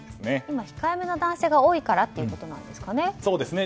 今、控えめな男性が多いからということですかね。